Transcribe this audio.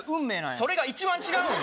それが一番違うんよ。